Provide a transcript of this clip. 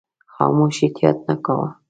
خاموش احتیاط نه کاوه.